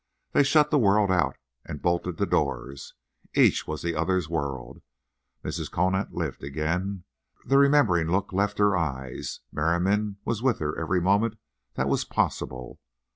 They shut the world out and bolted the doors. Each was the other's world. Mrs. Conant lived again. The remembering look left her eyes. Merriam was with her every moment that was possible.